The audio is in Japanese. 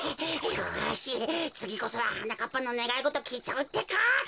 よしつぎこそははなかっぱのねがいごときいちゃうってか。